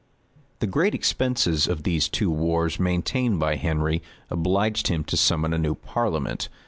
The great expense of these two wars maintained by Henry, obliged him to summon a new parliament.